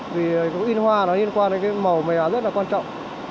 vì in họa nó liên quan đến màu mèo rất là quan trọng